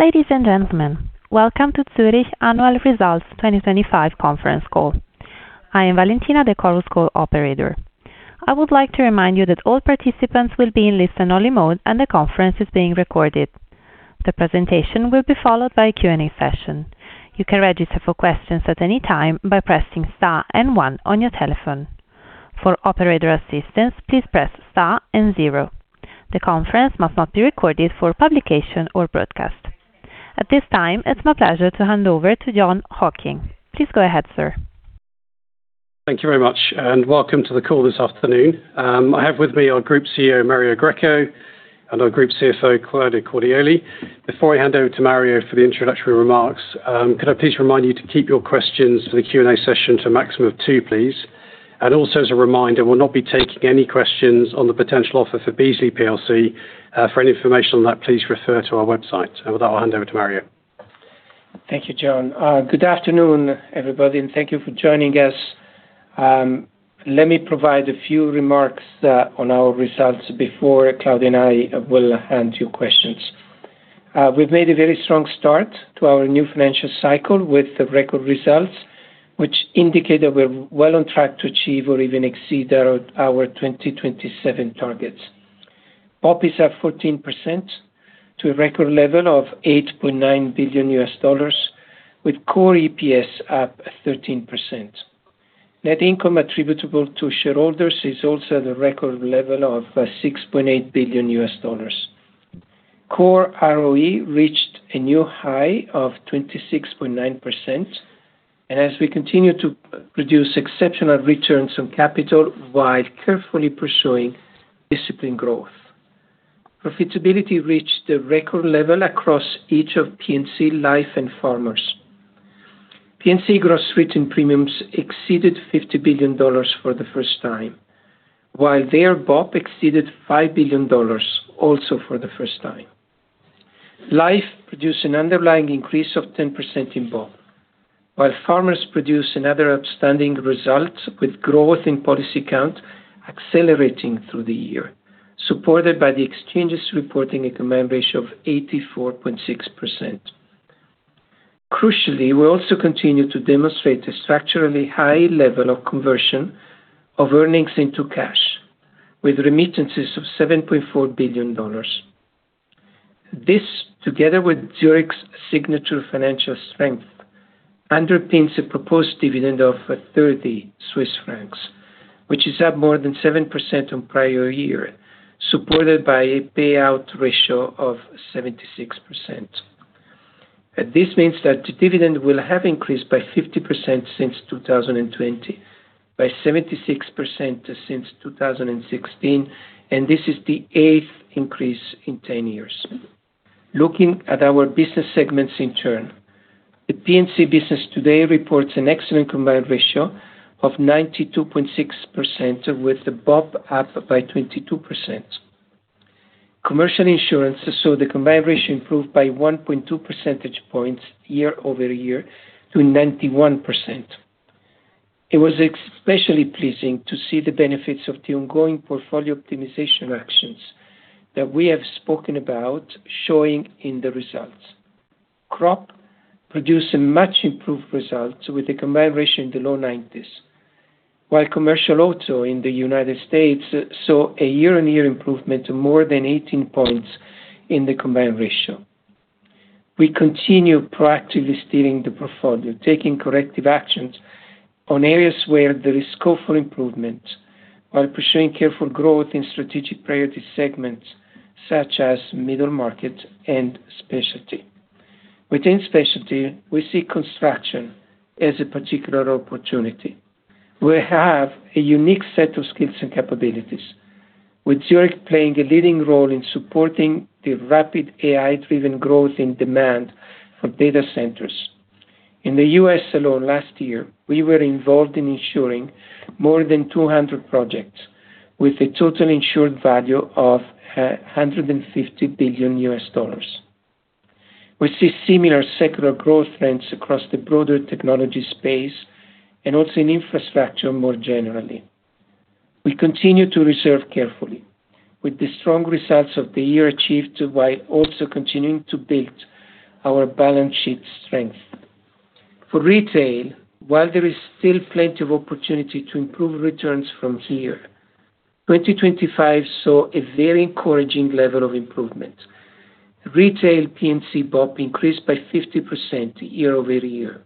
Ladies and gentlemen, welcome to Zurich Annual Results 2025 conference call. I am Valentina, the call operator. I would like to remind you that all participants will be in listen-only mode, and the conference is being recorded. The presentation will be followed by a Q&A session. You can register for questions at any time by pressing star and one on your telephone. For operator assistance, please press star and zero. The conference must not be recorded for publication or broadcast. At this time, it's my pleasure to hand over to Jon Hocking. Please go ahead, sir. Thank you very much, and welcome to the call this afternoon. I have with me our Group CEO, Mario Greco, and our Group CFO, Claudia Cordioli. Before I hand over to Mario for the introductory remarks, could I please remind you to keep your questions for the Q&A session to a maximum of two, please? And also as a reminder, we'll not be taking any questions on the potential offer for Beazley PLC. For any information on that, please refer to our website. And with that, I'll hand over to Mario. Thank you, Jon. Good afternoon, everybody, and thank you for joining us. Let me provide a few remarks on our results before Claudia and I will hand to your questions. We've made a very strong start to our new financial cycle with the record results, which indicate that we're well on track to achieve or even exceed our 2027 targets. BOP is up 14% to a record level of $8.9 billion, with core EPS up 13%. Net income attributable to shareholders is also at a record level of $6.8 billion. Core ROE reached a new high of 26.9%, and as we continue to produce exceptional returns on capital while carefully pursuing disciplined growth. Profitability reached a record level across each of P&C, Life, and Farmers. P&C gross written premiums exceeded $50 billion for the first time, while their BOP exceeded $5 billion, also for the first time. Life produced an underlying increase of 10% in BOP, while Farmers produced another outstanding result, with growth in policy count accelerating through the year, supported by the exchanges reporting a combined ratio of 84.6%. Crucially, we also continue to demonstrate a structurally high level of conversion of earnings into cash, with remittances of $7.4 billion. This, together with Zurich's signature financial strength, underpins a proposed dividend of 30 Swiss francs, which is up more than 7% on prior year, supported by a payout ratio of 76%. This means that the dividend will have increased by 50% since 2020, by 76% since 2016, and this is the eighth increase in 10 years. Looking at our business segments in turn, the P&C business today reports an excellent combined ratio of 92.6%, with the BOP up by 22%. Commercial insurance saw the combined ratio improve by 1.2 percentage points year-over-year to 91%. It was especially pleasing to see the benefits of the ongoing portfolio optimization actions that we have spoken about showing in the results. Crop produced a much improved result with a combined ratio in the low 90s, while commercial auto in the United States saw a year-on-year improvement of more than 18 points in the combined ratio. We continue proactively steering the portfolio, taking corrective actions on areas where there is scope for improvement, while pursuing careful growth in strategic priority segments such as middle market and specialty. Within specialty, we see construction as a particular opportunity. We have a unique set of skills and capabilities, with Zurich playing a leading role in supporting the rapid AI-driven growth in demand for data centers. In the U.S. alone, last year, we were involved in ensuring more than 200 projects, with a total insured value of $150 billion. We see similar secular growth trends across the broader technology space and also in infrastructure more generally. We continue to reserve carefully with the strong results of the year achieved, while also continuing to build our balance sheet strength. For retail, while there is still plenty of opportunity to improve returns from here, 2025 saw a very encouraging level of improvement. Retail P&C BOP increased by 50% year-over-year,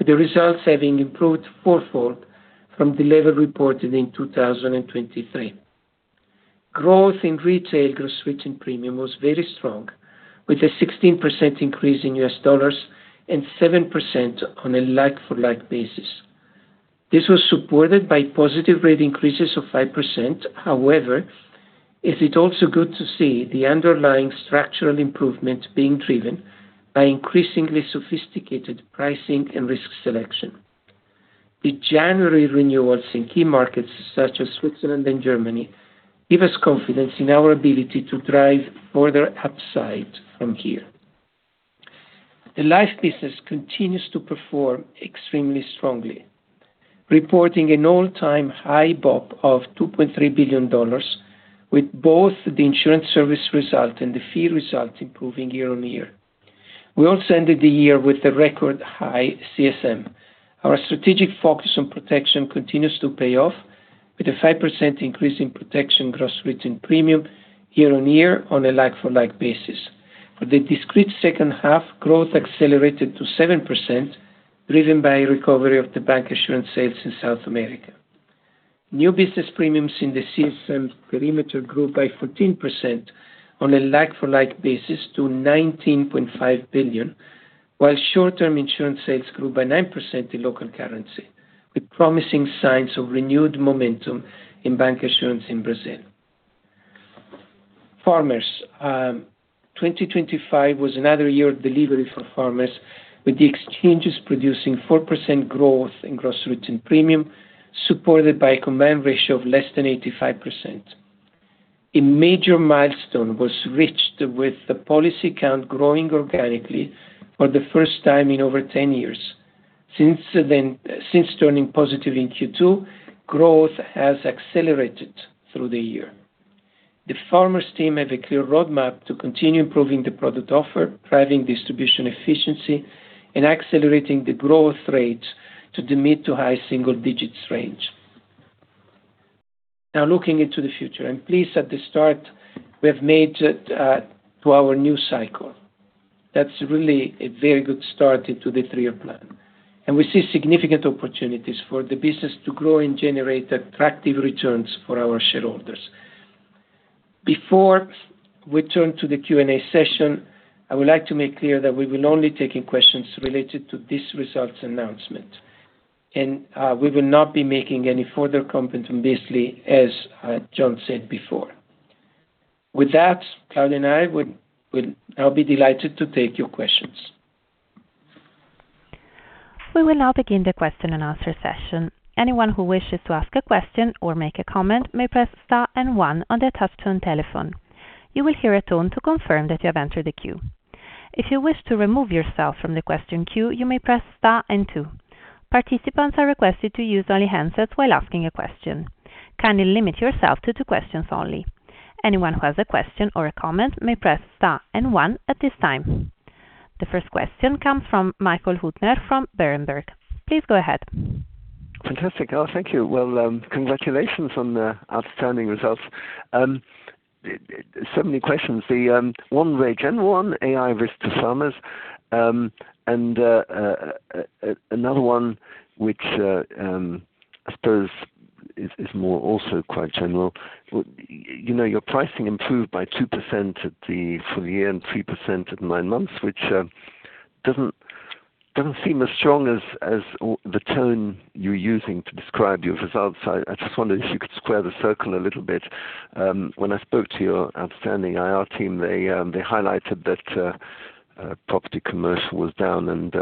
with the results having improved fourfold from the level reported in 2023. Growth in retail gross written premium was very strong, with a 16% increase in U.S. dollars and 7% on a like-for-like basis. This was supported by positive rate increases of 5%. However, it is also good to see the underlying structural improvement being driven by increasingly sophisticated pricing and risk selection. The January renewals in key markets, such as Switzerland and Germany, give us confidence in our ability to drive further upside from here.... The life business continues to perform extremely strongly, reporting an all-time high BOP of $2.3 billion, with both the insurance service result and the fee result improving year-on-year. We also ended the year with a record high CSM. Our strategic focus on protection continues to pay off, with a 5% increase in protection gross written premium year-on-year on a like-for-like basis. For the discrete second half, growth accelerated to 7%, driven by a recovery of the bank insurance sales in South America. New business premiums in the CSM perimeter grew by 14% on a like-for-like basis to $19.5 billion, while short-term insurance sales grew by 9% in local currency, with promising signs of renewed momentum in bank insurance in Brazil. Farmers, 2025 was another year of delivery for Farmers, with the exchanges producing 4% growth in gross written premium, supported by a combined ratio of less than 85%. A major milestone was reached with the policy count growing organically for the first time in over 10 years. Since then, since turning positive in Q2, growth has accelerated through the year. The Farmers team have a clear roadmap to continue improving the product offer, driving distribution efficiency, and accelerating the growth rate to the mid- to high-single-digits range. Now, looking into the future, I'm pleased at the start, we have made it to our new cycle. That's really a very good start into the three-year plan, and we see significant opportunities for the business to grow and generate attractive returns for our shareholders. Before we turn to the Q&A session, I would like to make clear that we will only be taking questions related to this results announcement, and we will not be making any further comments on Beazley, as Jon said before. With that, Claudia and I would. I'll be delighted to take your questions. We will now begin the question and answer session. Anyone who wishes to ask a question or make a comment may press star and one on their touchtone telephone. You will hear a tone to confirm that you have entered the queue. If you wish to remove yourself from the question queue, you may press star and two. Participants are requested to use only handsets while asking a question. Kindly limit yourself to two questions only. Anyone who has a question or a comment may press star and one at this time. The first question comes from Michael Huttner from Berenberg. Please go ahead. Fantastic. Oh, thank you. Well, congratulations on the outstanding results. So many questions. The one very general one, AI risk to Farmers. Another one, which I suppose is more also quite general. You know, your pricing improved by 2% for the year and 3% in nine months, which doesn't seem as strong as the tone you're using to describe your results. I just wondered if you could square the circle a little bit. When I spoke to your outstanding IR team, they highlighted that property commercial was down, and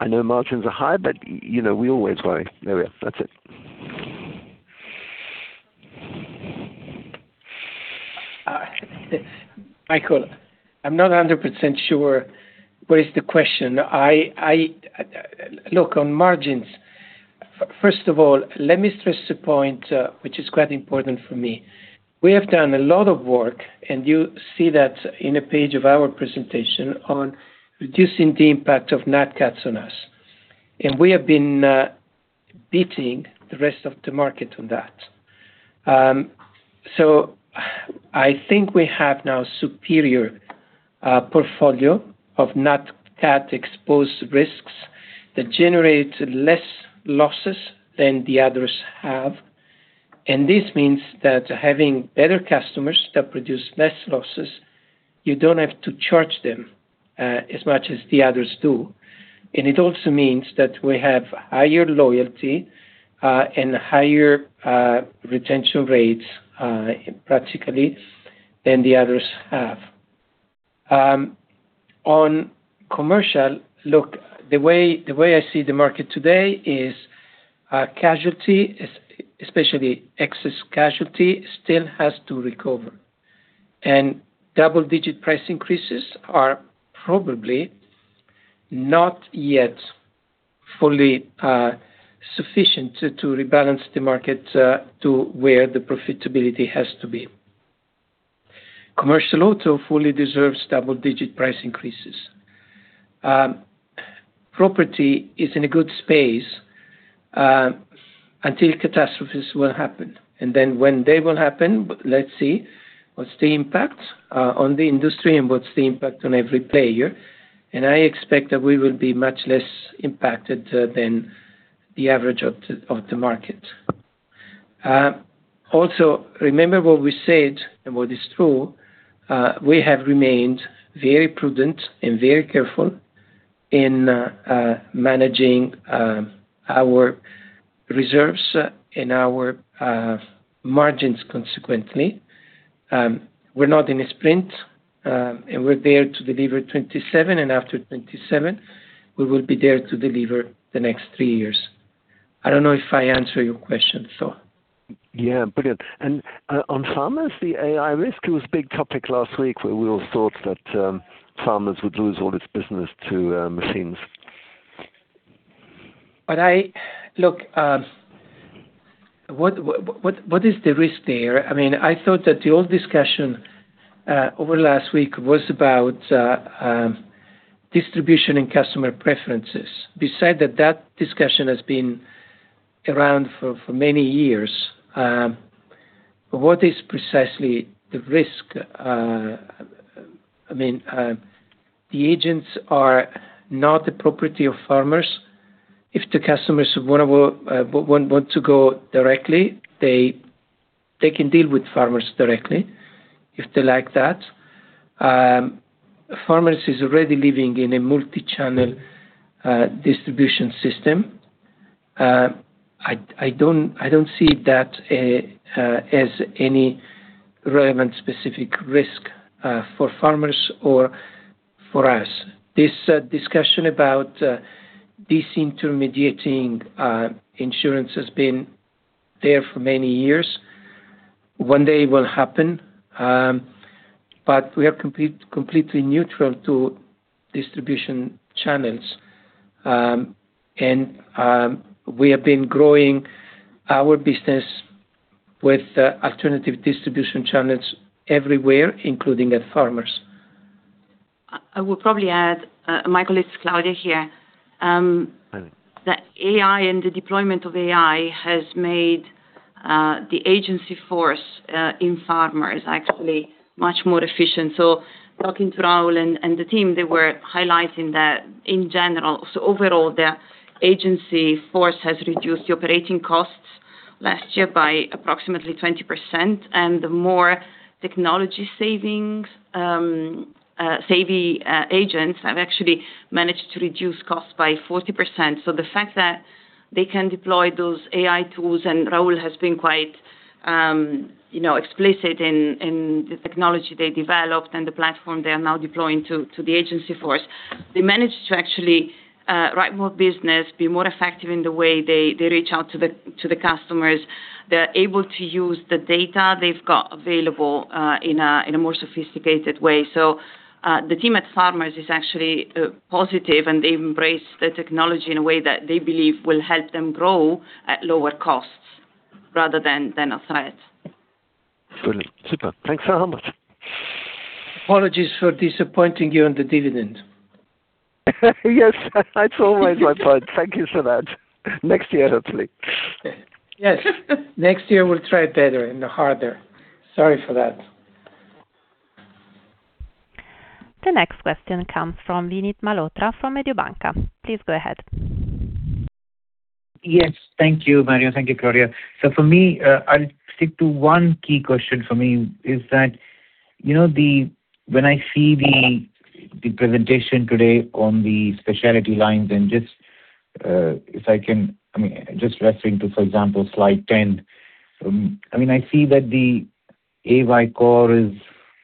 I know margins are high, but you know, we always worry. There we are. That's it. Michael, I'm not 100% sure what is the question. Look, on margins, first of all, let me stress a point, which is quite important for me. We have done a lot of work, and you see that in a page of our presentation on reducing the impact of Nat Cats on us, and we have been beating the rest of the market on that. So I think we have now a superior portfolio of Nat Cat-exposed risks that generate less losses than the others have. And this means that having better customers that produce less losses, you don't have to charge them as much as the others do. And it also means that we have higher loyalty and higher retention rates practically than the others have. On commercial, look, the way, the way I see the market today is, casualty, especially excess casualty, still has to recover, and double-digit price increases are probably not yet fully sufficient to rebalance the market to where the profitability has to be. Commercial auto fully deserves double-digit price increases. Property is in a good space until catastrophes will happen, and then when they will happen, let's see what's the impact on the industry and what's the impact on every player, and I expect that we will be much less impacted than the average of the market. Also, remember what we said, and what is true, we have remained very prudent and very careful in managing our reserves and our margins, consequently. We're not in a sprint, and we're there to deliver 2027, and after 2027, we will be there to deliver the next 3 years. I don't know if I answer your question, so. Yeah, brilliant. On Farmers, the AI risk was a big topic last week, where we all thought that Farmers would lose all its business to machines. Look, what is the risk there? I mean, I thought that the old discussion over last week was about distribution and customer preferences. Besides that, that discussion has been around for many years. What is precisely the risk? I mean, the agents are not the property of Farmers. If the customers want to go directly, they can deal with Farmers directly if they like that. Farmers is already living in a multi-channel distribution system. I don't see that as any relevant specific risk for Farmers or for us. This discussion about disintermediating insurance has been there for many years. One day it will happen, but we are completely neutral to distribution channels. We have been growing our business with alternative distribution channels everywhere, including at Farmers. I will probably add, Michael, it's Claudia here. Hi. The AI and the deployment of AI has made the agency force in Farmers actually much more efficient. So talking to Raul and the team, they were highlighting that in general. So overall, the agency force has reduced the operating costs last year by approximately 20%, and the more technology-savvy agents have actually managed to reduce costs by 40%. So the fact that they can deploy those AI tools, and Raul has been quite, you know, explicit in the technology they developed and the platform they are now deploying to the agency force. They managed to actually write more business, be more effective in the way they reach out to the customers. They're able to use the data they've got available in a more sophisticated way. The team at Farmers is actually positive, and they embrace the technology in a way that they believe will help them grow at lower costs rather than a threat. Brilliant. Super. Thanks very much. Apologies for disappointing you on the dividend. Yes, that's always my point. Thank you for that. Next year, hopefully. Yes. Next year, we'll try better and harder. Sorry for that. The next question comes from Vinit Malhotra from Mediobanca. Please go ahead. Yes. Thank you, Mario. Thank you, Claudia. So for me, I'll stick to one key question for me, is that, you know, the when I see the presentation today on the specialty lines and just, if I can, I mean, just referring to, for example, slide 10. I mean, I see that the AY core is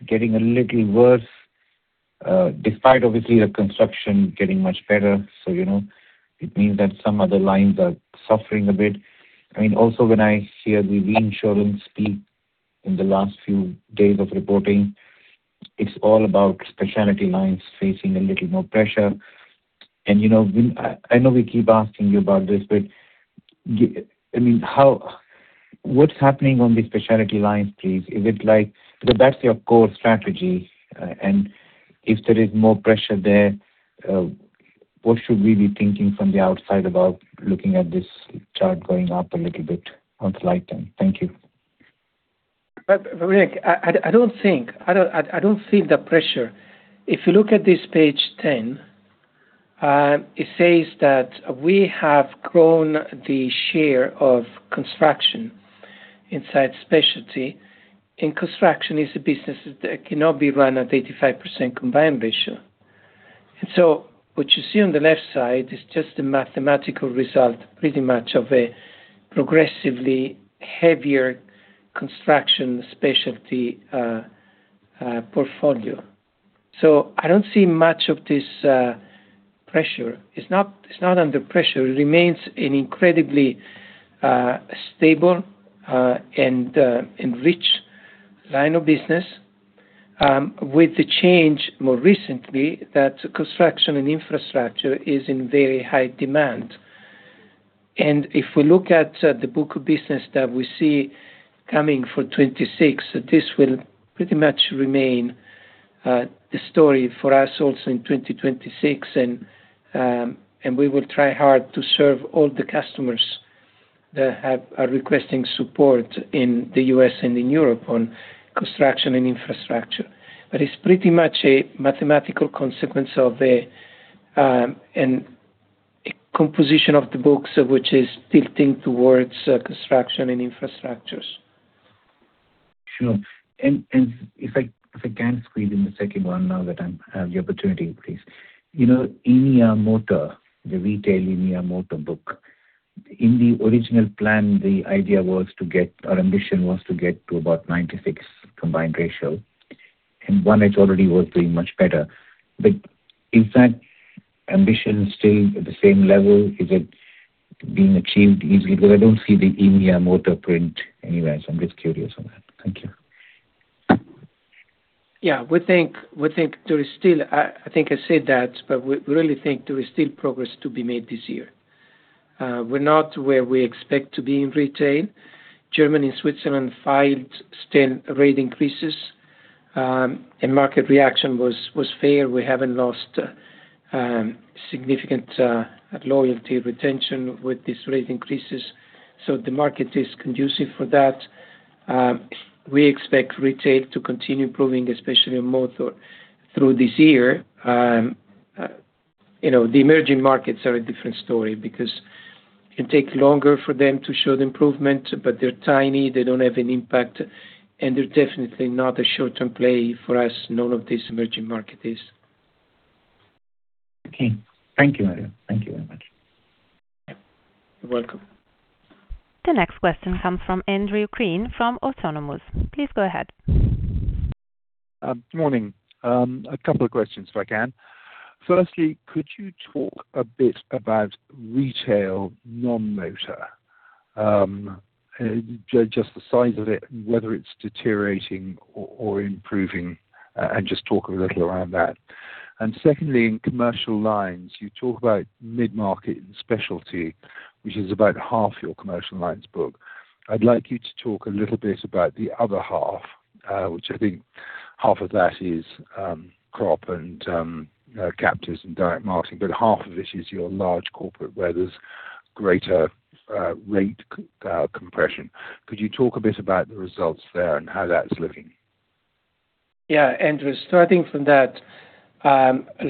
getting a little worse, despite obviously the construction getting much better. So, you know, it means that some other lines are suffering a bit. I mean, also when I hear the reinsurance speak in the last few days of reporting, it's all about specialty lines facing a little more pressure. And, you know, we, I know we keep asking you about this, but, I mean, how, what's happening on the specialty lines, please? Is it like... That's your core strategy, and if there is more pressure there, what should we be thinking from the outside about looking at this chart going up a little bit on slide 10? Thank you. But Vinit, I don't think. I don't feel the pressure. If you look at this page 10, it says that we have grown the share of construction inside specialty, and construction is a business that cannot be run at 85% combined ratio. So what you see on the left side is just a mathematical result, pretty much of a progressively heavier construction specialty portfolio. So I don't see much of this pressure. It's not under pressure. It remains an incredibly stable and rich line of business, with the change more recently, that construction and infrastructure is in very high demand. And if we look at the book of business that we see coming for 2026, this will pretty much remain the story for us also in 2026. We will try hard to serve all the customers that have, are requesting support in the U.S. and in Europe on construction and infrastructure. But it's pretty much a mathematical consequence of a, and composition of the books, which is tilting towards, construction and infrastructures. Sure. And if I can squeeze in the second one now that I have the opportunity, please. You know, India Motor, the retail India Motor book. In the original plan, the idea was to get, our ambition was to get to about 96 combined ratio... and one is already working much better. But is that ambition still at the same level? Is it being achieved easily? Because I don't see the India motor print anywhere, so I'm just curious on that. Thank you. Yeah, we think, we think there is still, I think I said that, but we, we really think there is still progress to be made this year. We're not where we expect to be in retail. Germany and Switzerland filed still rate increases, and market reaction was fair. We haven't lost significant loyalty, retention with these rate increases, so the market is conducive for that. We expect retail to continue improving, especially in motor through this year. You know, the emerging markets are a different story because it takes longer for them to show the improvement, but they're tiny, they don't have an impact, and they're definitely not a short-term play for us. None of this emerging market is. Okay. Thank you, Mario. Thank you very much. You're welcome. The next question comes from Andrew Crean from Autonomous. Please go ahead. Morning. A couple of questions, if I can. Firstly, could you talk a bit about retail, non-motor? Just the size of it, whether it's deteriorating or improving, and just talk a little around that. And secondly, in commercial lines, you talk about mid-market and specialty, which is about half your commercial lines book. I'd like you to talk a little bit about the other half, which I think half of that is crop and captives and direct marketing, but half of it is your large corporate, where there's greater rate compression. Could you talk a bit about the results there and how that's looking? Yeah, Andrew, starting from that,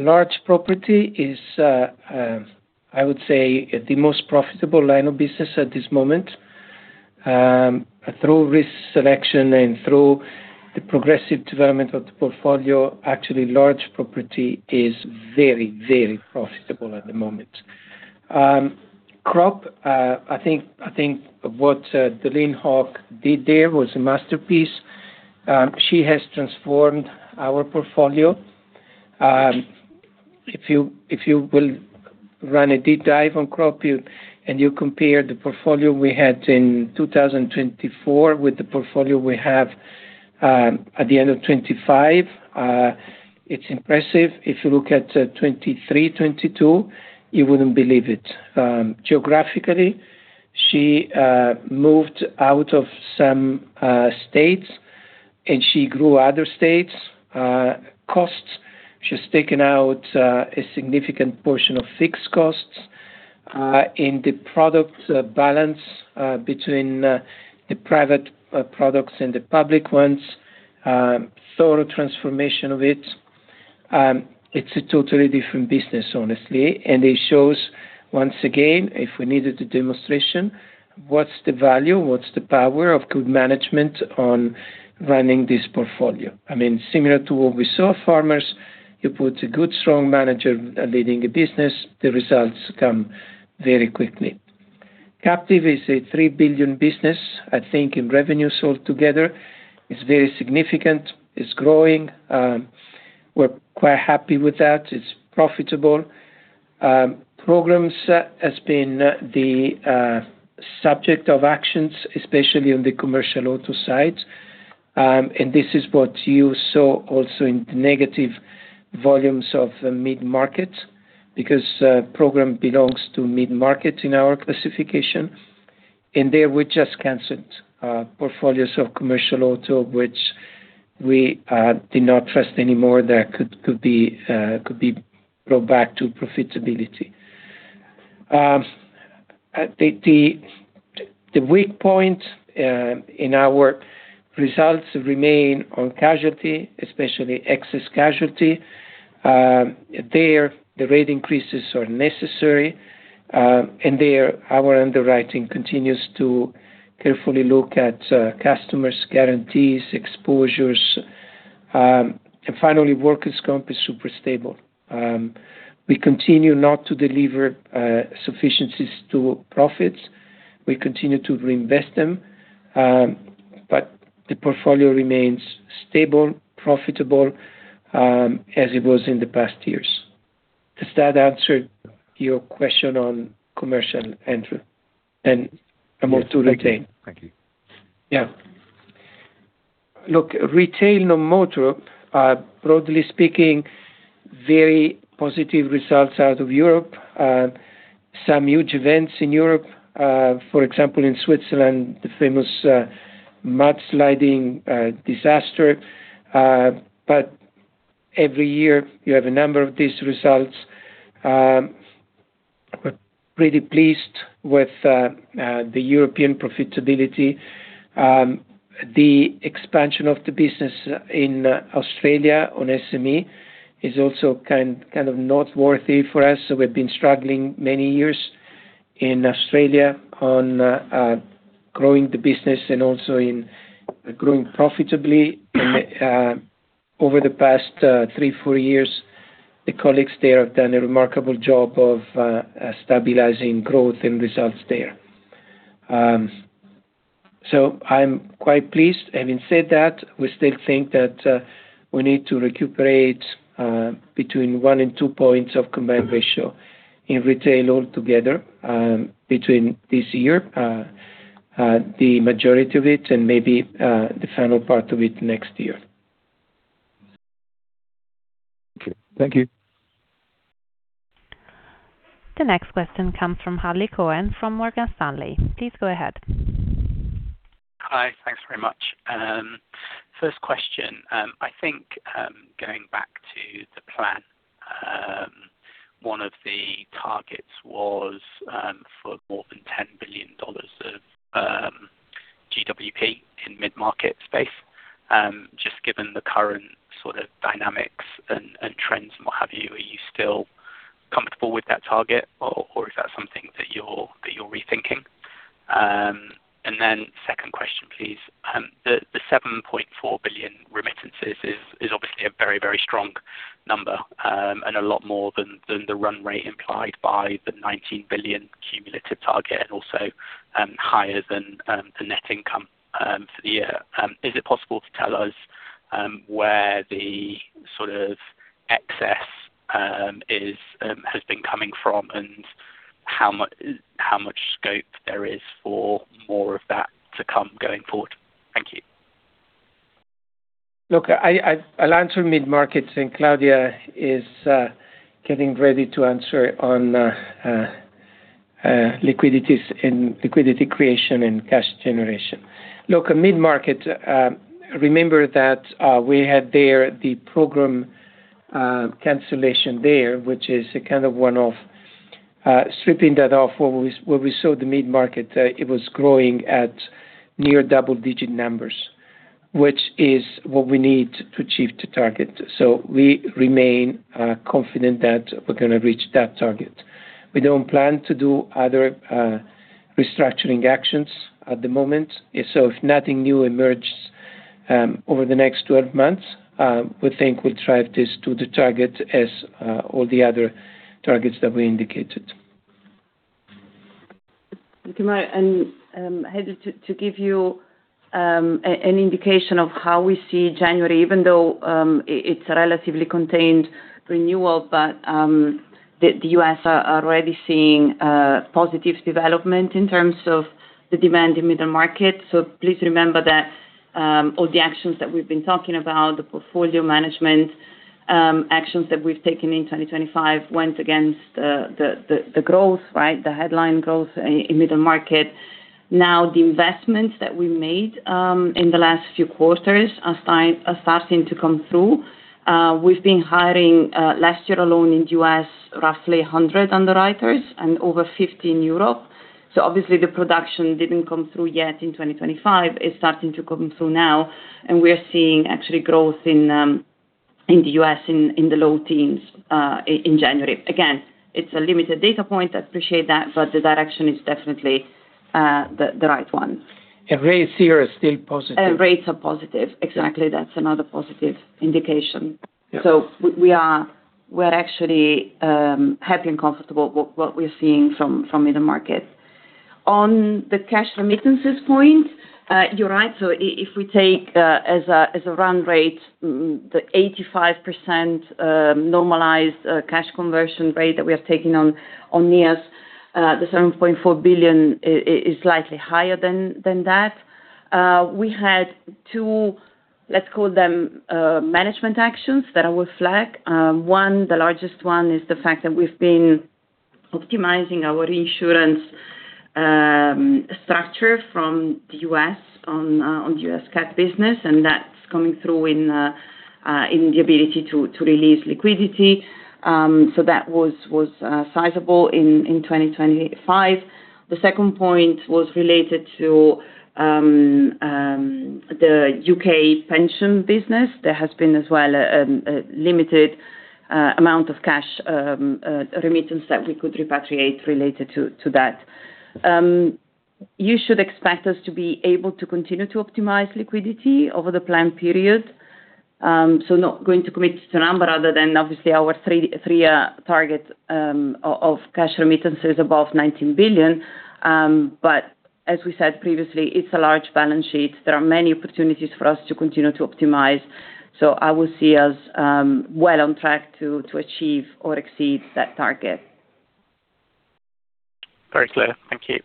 large property is, I would say, the most profitable line of business at this moment. Through risk selection and through the progressive development of the portfolio, actually, large property is very, very profitable at the moment. Crop, I think what Dalynn Hoch did there was a masterpiece. She has transformed our portfolio. If you will run a deep dive on crop, and you compare the portfolio we had in 2024 with the portfolio we have at the end of 2025, it's impressive. If you look at 2023, 2022, you wouldn't believe it. Geographically, she moved out of some states, and she grew other states. Costs, she's taken out a significant portion of fixed costs in the product balance between the private products and the public ones, thorough transformation of it. It's a totally different business, honestly, and it shows once again, if we needed a demonstration, what's the value, what's the power of good management on running this portfolio? I mean, similar to what we saw at Farmers, you put a good, strong manager leading a business, the results come very quickly. Captive is a $3 billion business. I think in revenue altogether, it's very significant. It's growing. We're quite happy with that. It's profitable. Programs has been the subject of actions, especially on the commercial auto side, and this is what you saw also in the negative volumes of the mid-market, because program belongs to mid-market in our classification. There we just canceled portfolios of commercial auto, which we did not trust anymore that could be brought back to profitability. The weak point in our results remain on casualty, especially excess casualty. There, the rate increases are necessary, and there, our underwriting continues to carefully look at customers' guarantees, exposures. And finally, workers' comp is super stable. We continue not to deliver sufficiencies to profits. We continue to reinvest them, but the portfolio remains stable, profitable, as it was in the past years. Does that answer your question on commercial, Andrew, and- Yes. More to retain? Thank you. Yeah. Look, retail, non-motor, broadly speaking, very positive results out of Europe. Some huge events in Europe, for example, in Switzerland, the famous mudsliding disaster. But every year you have a number of these results. We're pretty pleased with the European profitability. The expansion of the business in Australia on SME is also kind of noteworthy for us. So we've been struggling many years in Australia on growing the business and also in growing profitably. Over the past three, four years, the colleagues there have done a remarkable job of stabilizing growth and results there. So I'm quite pleased. Having said that, we still think that we need to recuperate between one and two points of Combined Ratio in retail altogether, between this year, the majority of it, and maybe the final part of it next year. Okay, thank you. The next question comes from Hadley Cohen from Morgan Stanley. Please go ahead. Hi. Thanks very much. First question, I think, going back to the plan, one of the targets was for more than $10 billion of GWP in mid-market space. Just given the current sort of dynamics and trends and what have you, are you still comfortable with that target, or is that something that you're rethinking? And then second question, please. The $7.4 billion remittances is obviously a very strong number, and a lot more than the run rate implied by the $19 billion cumulative target, and also higher than the net income for the year. Is it possible to tell us where the sort of excess has been coming from, and how much, how much scope there is for more of that to come going forward? Thank you. Look, I, I'll answer mid-markets, and Claudia is getting ready to answer on liquidities and liquidity creation and cash generation. Look, mid-market, remember that we had there the program cancellation there, which is a kind of one-off. Stripping that off, when we saw the mid-market, it was growing at near double digit numbers, which is what we need to achieve to target. So we remain confident that we're gonna reach that target. We don't plan to do other restructuring actions at the moment. So if nothing new emerges over the next 12 months, we think we'll drive this to the target as all the other targets that we indicated. Thank you, Mario. I'm happy to give you an indication of how we see January, even though it's a relatively contained renewal, but the U.S. are already seeing positive development in terms of the demand in mid-market. So please remember that all the actions that we've been talking about, the portfolio management actions that we've taken in 2025, went against the growth, right? The headline growth in mid-market. Now, the investments that we made in the last few quarters are starting to come through. We've been hiring last year alone in U.S., roughly 100 underwriters and over 50 in Europe. So obviously the production didn't come through yet in 2025. It's starting to come through now, and we're seeing actually growth in the US in the low teens in January. Again, it's a limited data point. I appreciate that, but the direction is definitely the right one. Rates here are still positive. Rates are positive. Exactly. That's another positive indication. Yeah. So we are, we're actually happy and comfortable what we're seeing from in the market. On the cash remittances point, you're right. So if we take as a run rate the 85% normalized cash conversion rate that we have taken on NIAS, the $7.4 billion is slightly higher than that. We had two, let's call them, management actions that I will flag. One, the largest one is the fact that we've been optimizing our insurance structure from the US on US cat business, and that's coming through in the ability to release liquidity. So that was sizable in 2025. The second point was related to the UK pension business. There has been as well a limited amount of cash remittance that we could repatriate related to that. You should expect us to be able to continue to optimize liquidity over the plan period. So not going to commit to a number other than obviously our three targets of cash remittances above $19 billion. But as we said previously, it's a large balance sheet. There are many opportunities for us to continue to optimize. So I will see us well on track to achieve or exceed that target. Very clear. Thank you.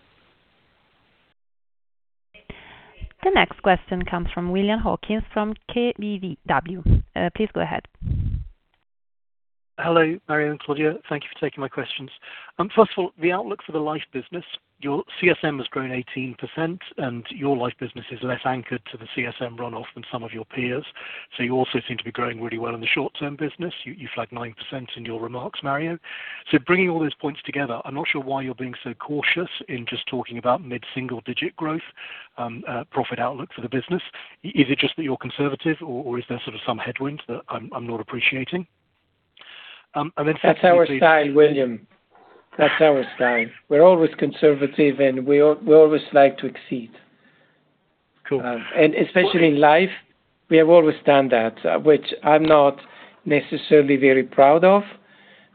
The next question comes from William Hawkins from KBW. Please go ahead. Hello, Mario and Claudia. Thank you for taking my questions. First of all, the outlook for the life business. Your CSM has grown 18%, and your life business is less anchored to the CSM run off than some of your peers, so you also seem to be growing really well in the short-term business. You flagged 9% in your remarks, Mario. So bringing all those points together, I'm not sure why you're being so cautious in just talking about mid-single digit growth, profit outlook for the business. Is it just that you're conservative, or is there sort of some headwind that I'm not appreciating? And then second- That's our style, William. That's our style. We're always conservative, and we always like to exceed. And especially in life, we have always done that, which I'm not necessarily very proud of.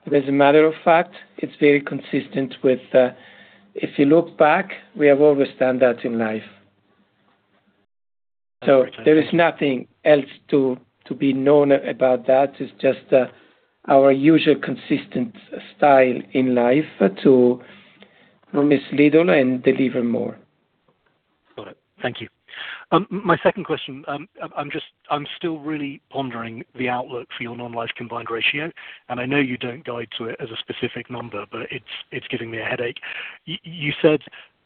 But as a matter of fact, it's very consistent with, if you look back, we have always done that in life. So there is nothing else to be known about that. It's just our usual consistent style in life to mislead and deliver more. Got it. Thank you. My second question, I'm just—I'm still really pondering the outlook for your non-life combined ratio, and I know you don't guide to it as a specific number, but it's giving me a headache. You said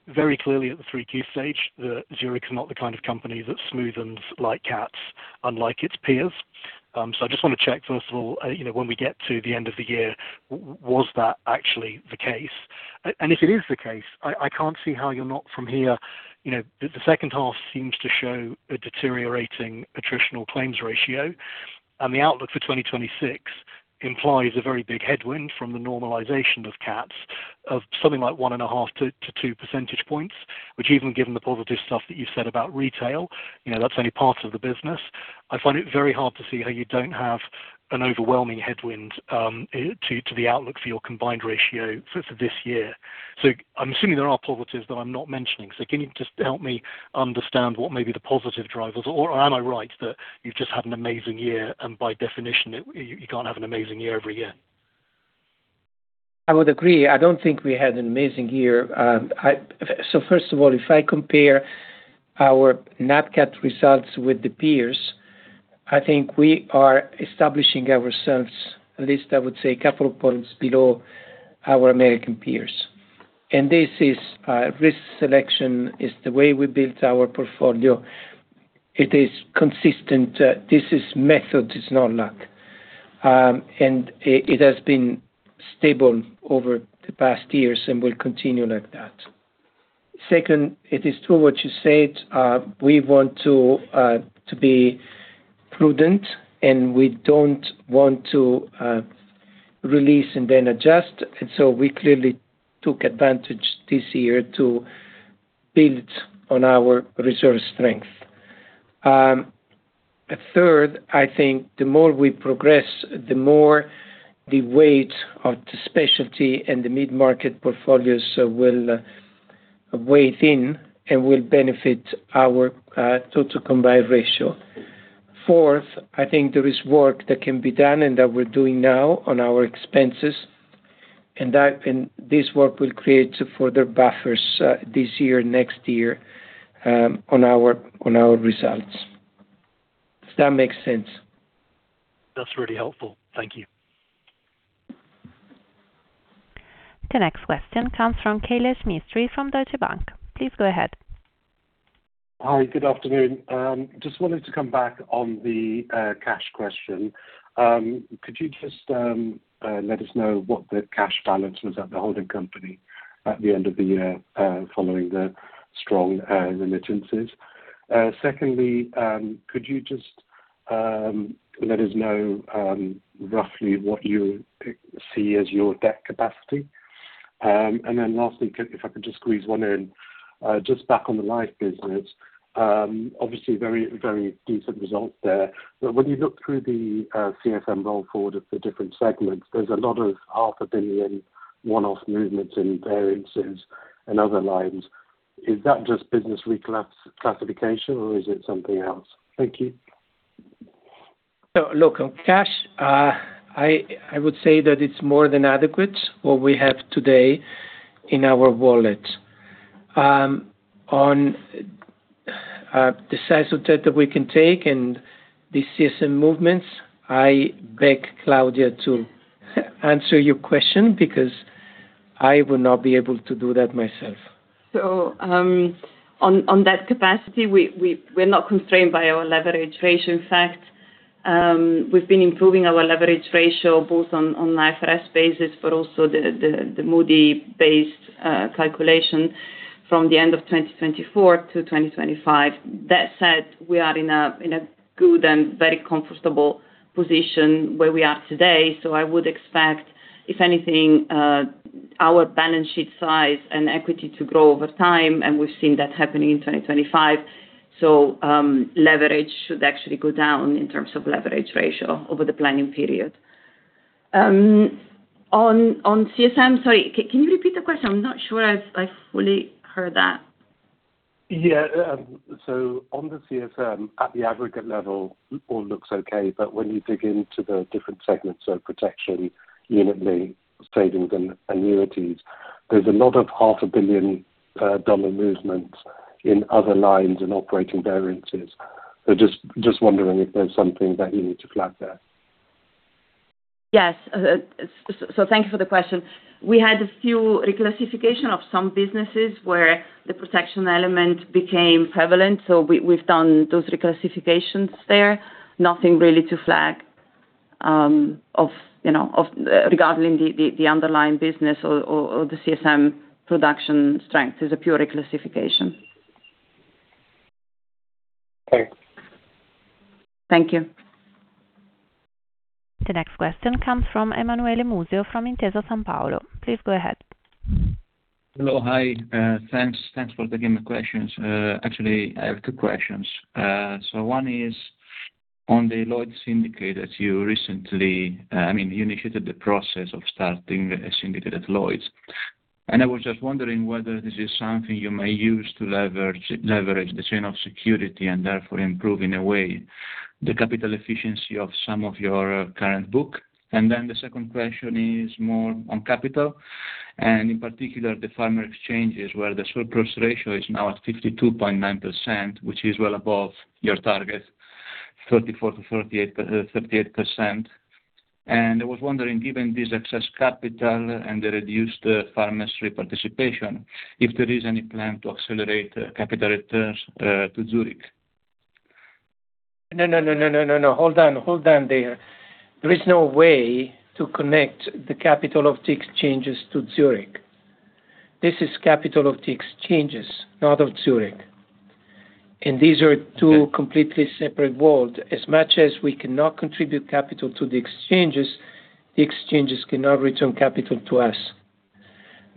very clearly at the three-year stage that Zurich is not the kind of company that smoothens like cats, unlike its peers. So I just want to check, first of all, you know, when we get to the end of the year, was that actually the case? And if it is the case, I can't see how you're not from here. You know, the second half seems to show a deteriorating attritional claims ratio, and the outlook for 2026 implies a very big headwind from the normalization of cats of something like 1.5-2 percentage points, which even given the positive stuff that you've said about retail, you know, that's only part of the business. I find it very hard to see how you don't have an overwhelming headwind to the outlook for your Combined Ratio for this year. So I'm assuming there are positives that I'm not mentioning. So can you just help me understand what may be the positive drivers? Or am I right that you've just had an amazing year, and by definition, you can't have an amazing year every year? I would agree. I don't think we had an amazing year. So first of all, if I compare our Nat Cat results with the peers, I think we are establishing ourselves, at least I would say, a couple of points below our American peers. And this is, risk selection is the way we built our portfolio. It is consistent. This is method, it's not luck. And it, it has been stable over the past years and will continue like that. Second, it is true what you said. We want to, to be prudent, and we don't want to, release and then adjust. And so we clearly took advantage this year to build on our reserve strength. Third, I think the more we progress, the more the weight of the specialty and the mid-market portfolios will weigh in and will benefit our total Combined Ratio. Fourth, I think there is work that can be done and that we're doing now on our expenses, and that, and this work will create further buffers this year, next year, on our results. Does that make sense? That's really helpful. Thank you. The next question comes from Kailesh Mistry from Deutsche Bank. Please go ahead. Hi, good afternoon. Just wanted to come back on the, cash question. Could you just, let us know what the cash balance was at the holding company at the end of the year, following the strong, remittances? Secondly, could you just, let us know, roughly what you see as your debt capacity? And then lastly, if I could just squeeze one in, just back on the life business, obviously very, very decent results there. But when you look through the, CSM roll forward of the different segments, there's a lot of $500 million one-off movements and variances in other lines. Is that just business reclassification or is it something else? Thank you. So look, on cash, I would say that it's more than adequate, what we have today in our wallet. On the size of debt that we can take and the CSM movements, I beg Claudia to answer your question, because I will not be able to do that myself. So, on that capacity, we're not constrained by our leverage ratio. In fact, we've been improving our leverage ratio both on IFRS basis, but also the Moody-based calculation from the end of 2024 to 2025. That said, we are in a good and very comfortable position where we are today. So I would expect, if anything, our balance sheet size and equity to grow over time, and we've seen that happening in 2025. So, leverage should actually go down in terms of leverage ratio over the planning period. On CSM, sorry, can you repeat the question? I'm not sure I've fully heard that. Yeah, so on the CSM, at the aggregate level, all looks okay, but when you dig into the different segments of protection, unit-linked, savings and annuities, there's a lot of $500 million dollar movements in other lines and operating variances. So just, just wondering if there's something that you need to flag there. Yes. So thank you for the question. We had a few reclassification of some businesses where the protection element became prevalent, so we've done those reclassifications there. Nothing really to flag, you know, regarding the underlying business or the CSM production strength. It's a pure reclassification. Thank you. Thank you.... The next question comes from Emanuele Musio from Intesa Sanpaolo. Please go ahead. Hello. Hi, thanks, thanks for taking my questions. Actually, I have two questions. So one is on the Lloyd's Syndicate that you recently, I mean, you initiated the process of starting a syndicate at Lloyd's. And I was just wondering whether this is something you may use to leverage, leverage the chain of security and therefore improve, in a way, the capital efficiency of some of your, current book. And then the second question is more on capital, and in particular, the Farmers Exchanges, where the surplus ratio is now at 52.9%, which is well above your target, 34%-38%, 38%. And I was wondering, given this excess capital and the reduced Farmers participation, if there is any plan to accelerate, capital returns, to Zurich? No, no, no, no, no, no, no. Hold on, hold on there. There is no way to connect the capital of the exchanges to Zurich. This is capital of the exchanges, not of Zurich, and these are two completely separate worlds. As much as we cannot contribute capital to the exchanges, the exchanges cannot return capital to us.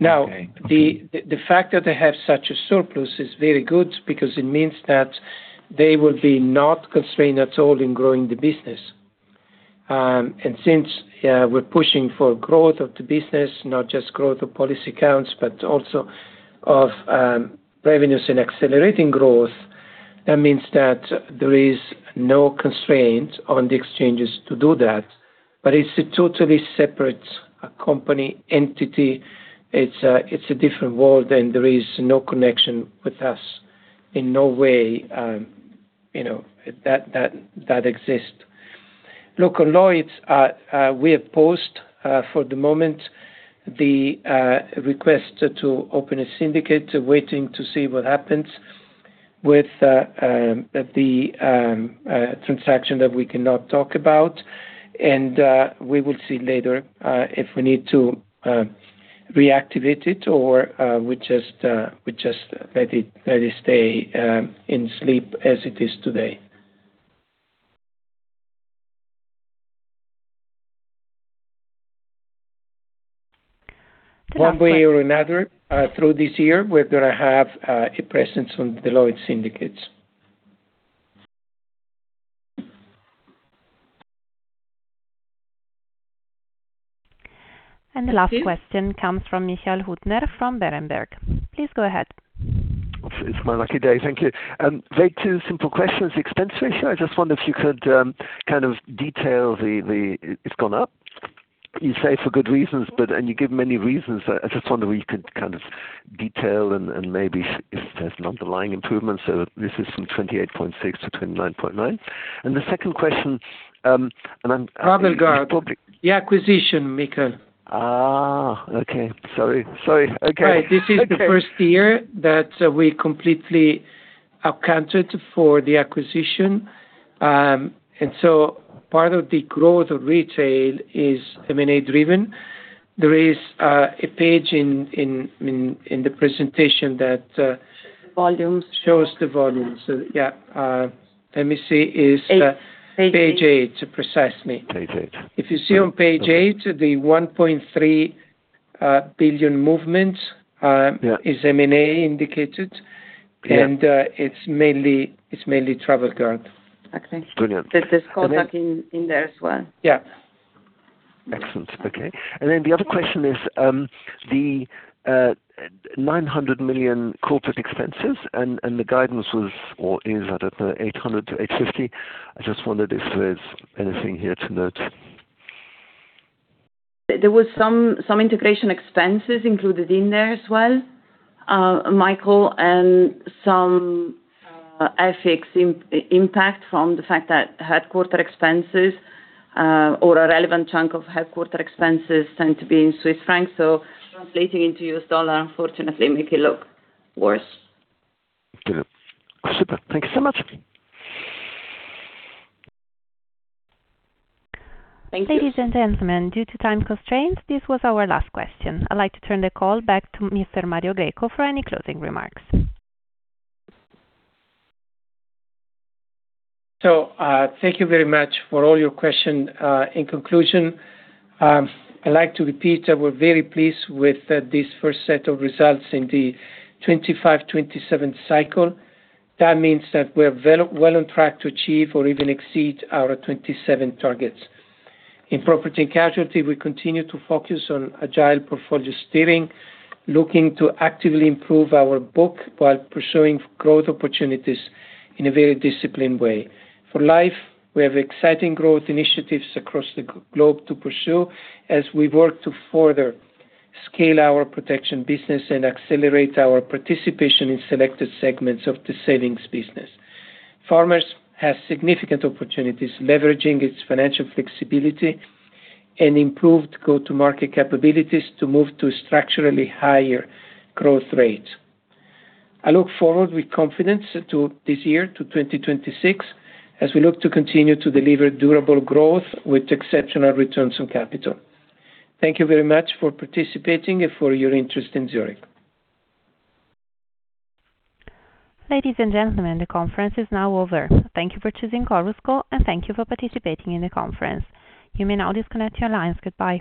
Okay. Now, the fact that they have such a surplus is very good because it means that they will be not constrained at all in growing the business. And since we're pushing for growth of the business, not just growth of policy counts, but also of revenues and accelerating growth, that means that there is no constraint on the exchanges to do that. But it's a totally separate company entity. It's a different world, and there is no connection with us in no way, you know, that exists. Local Lloyd's, we have paused, for the moment, the request to open a syndicate, waiting to see what happens with the transaction that we cannot talk about. We will see later if we need to reactivate it or we just let it stay in sleep as it is today. One way or another, through this year, we're gonna have a presence on the Lloyd's syndicates. The last question comes from Michael Huttner, from Berenberg. Please go ahead. It's my lucky day. Thank you. Very two simple questions. Expense ratio, I just wonder if you could kind of detail the. It's gone up, you say, for good reasons, but and you give many reasons. I just wonder where you could kind of detail and maybe if there's an underlying improvement. So this is from 28.6 to 29.9. And the second question, and I'm- Travel Guard, the acquisition, Michael. Ah! Okay. Sorry, sorry. Okay. This is the first year that we completely accounted for the acquisition. And so part of the growth of retail is M&A driven. There is a page in the presentation that Volumes. Shows the volumes. So, yeah, let me see, is- Eight. Page 8, precisely. Page eight. If you see on page 8, the $1.3 billion movement. Yeah. Is M&A indicated? Yeah. And, it's mainly, it's mainly Travel Guard. Okay. Brilliant. There's this callback in there as well? Yeah. Excellent. Okay. And then the other question is, the $900 million corporate expenses and the guidance was, or is, I don't know, $800 million-$850 million. I just wondered if there's anything here to note. There was some integration expenses included in there as well, Michael, and some FX impact from the fact that headquarters expenses, or a relevant chunk of headquarters expenses, tend to be in Swiss francs. So translating into U.S. dollar, unfortunately, make it look worse. Super. Thank you so much. Thank you. Ladies and gentlemen, due to time constraints, this was our last question. I'd like to turn the call back to Mr. Mario Greco for any closing remarks. Thank you very much for all your questions. In conclusion, I'd like to repeat that we're very pleased with this first set of results in the 2025-2027 cycle. That means that we're well on track to achieve or even exceed our 2027 targets. In Property and Casualty, we continue to focus on agile portfolio steering, looking to actively improve our book while pursuing growth opportunities in a very disciplined way. For Life, we have exciting growth initiatives across the globe to pursue as we work to further scale our protection business and accelerate our participation in selected segments of the savings business. Farmers has significant opportunities, leveraging its financial flexibility and improved go-to-market capabilities to move to structurally higher growth rates. I look forward with confidence to this year, to 2026, as we look to continue to deliver durable growth with exceptional returns on capital. Thank you very much for participating and for your interest in Zurich. Ladies and gentlemen, the conference is now over. Thank you for choosing Chorus Call, and thank you for participating in the conference. You may now disconnect your lines. Goodbye.